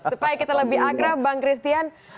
supaya kita lebih akrab bang christian